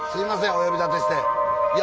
お呼びだてして。